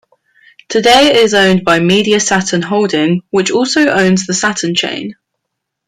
Today it is owned by Media-Saturn Holding, which also owns the Saturn chain.